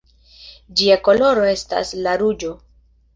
Ĝia koloro estas la ruĝo.